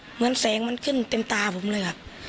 เหมือนแสงมันขึ้นเต็มตาผมเลยค่ะ